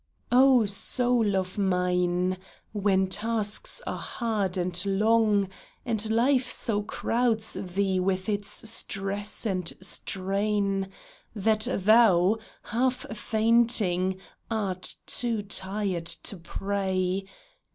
O soul of mine, when tasks are hard and long, And life so crowds thee with its stress and strain That thou, half fainting, art too tired to pray.